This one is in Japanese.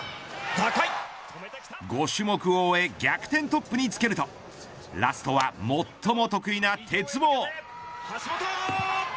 ５種目を終え逆転トップにつけるとラストは最も得意な鉄棒。